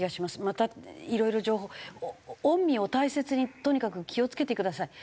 またいろいろ情報御身を大切にとにかく気を付けてください。